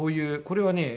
これはね